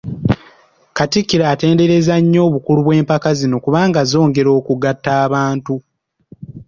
Katikkiro atenderezza nnyo obukulu bw'empaka zino kubanga zongera okugatta abantu